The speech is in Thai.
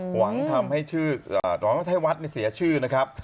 หวังว่างเวทย์วัดเสียชื่อนะครับ